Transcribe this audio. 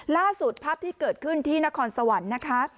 ล่าสุดภาพที่เกิดขึ้นที่นครสวรรค์นะคะ